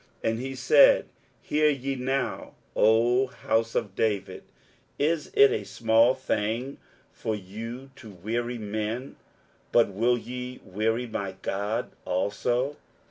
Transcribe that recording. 23:007:013 And he said, Hear ye now, O house of David; Is it a small thing for you to weary men, but will ye weary my God also?